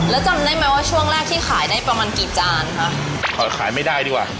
แล้วจำได้ไหมว่าช่วงแรกที่ขายได้ประมาณกี่จานคะขอขายไม่ได้ดีกว่า